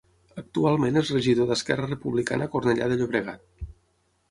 Actualment és regidor d'Esquerra Republicana a Cornellà de Llobregat.